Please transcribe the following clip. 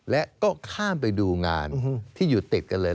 และก็ข้ามไปดูงานที่อยู่ติดกันเลย